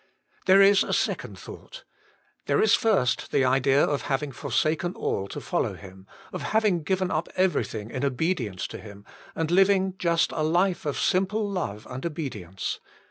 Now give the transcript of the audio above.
There is a second thought. There is first the idea of having forsaken all to follow Him ; of having given up every thing in obedience to Him, and living just a life of simple love and obedi ence.